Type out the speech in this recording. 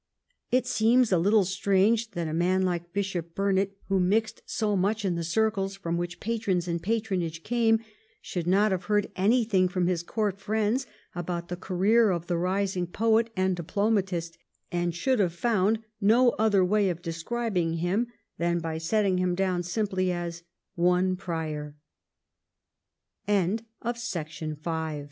It seems a little strange that a man like Bishop Burnet, who mixed so much in the circles from which patrons and patronage came, should not have heard anything from his Court friends about the career of the rising poet and diplomatist, and should have found no other way of describing him than by setting him down